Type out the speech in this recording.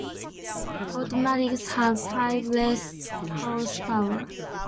Automatics had five less horsepower.